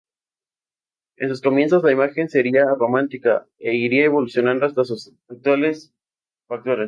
En sus comienzos, la imagen sería románica, e iría evolucionando hasta sus actuales facturas.